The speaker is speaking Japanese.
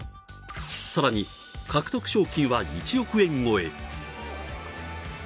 更に獲得賞金は１億円超え。